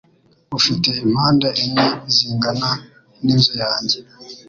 ufite impande enye zingana n’inzu yanjye